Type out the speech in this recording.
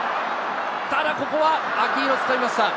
ただここはアキーノ、つかみました。